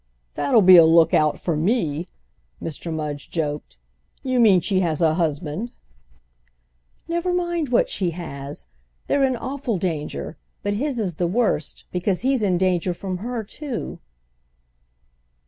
"That'll be a look out for me!" Mr. Mudge joked. "You mean she has a husband?" "Never mind what she has! They're in awful danger, but his is the worst, because he's in danger from her too."